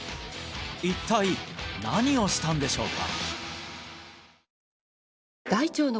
一体何をしたんでしょうか？